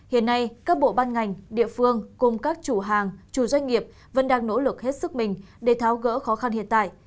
hiện nay các bộ ban ngành địa phương cùng các chủ hàng chủ doanh nghiệp vẫn đang nỗ lực hết sức mình để tháo gỡ khó khăn hiện tại